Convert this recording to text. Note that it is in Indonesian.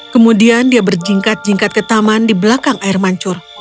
kemudian dia berjingkat jingkat ke taman di belakang air mancur